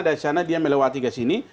dari sana dia melewati ke sini